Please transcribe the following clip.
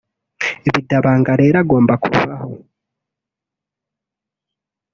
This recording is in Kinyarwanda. Badibanga rero agomba kuvaho